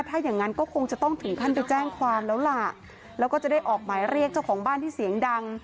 ถ้าอย่างนั้นก็คงจะต้องถึงขั้นไปแจ้งความแล้วล่ะแล้วก็จะได้ออกหมายเรียกเจ้าของบ้านที่เสียงดัง